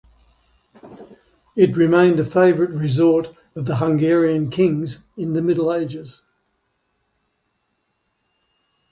It remained a favourite resort of the Hungarian kings in the Middle Ages.